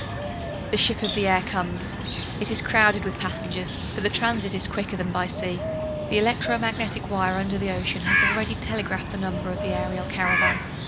The ship of the air comes. It is crowded with passengers, for the transit is quicker than by sea. The electro magnetic wire under the ocean has already telegraphed the number of the aerial caravan.